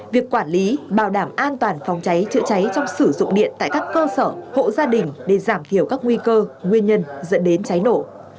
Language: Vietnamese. việc quản lý bảo đảm an toàn phòng cháy chữa cháy trong sử dụng điện tại các cơ sở hộ gia đình để giảm thiểu các nguy cơ nguyên nhân dẫn đến cháy nổ